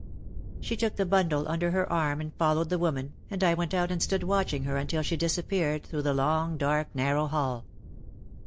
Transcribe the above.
She took the bundle under her arm and followed the woman, and I went out and stood watching her until she disappeared through the long, dark, narrow hall.